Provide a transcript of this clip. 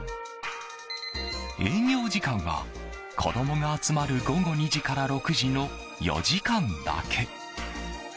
営業時間は子供が集まる午後２時から６時の４時間だけ。